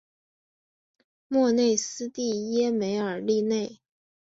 莫内斯蒂耶梅尔利内。